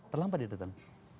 terlambat dia datang